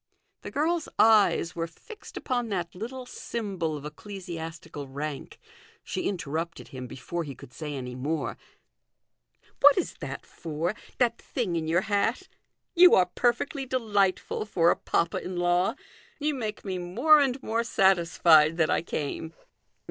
The girl's eyes were fixed upon that little symbol of ecclesi THE GOLDEN RULE. 297 astical rank. She interrupted him before he could say any more. " What is that for ? that thing in your hat ? You are perfectly delightful for a papa in law. You make me more and more satisfied that I came."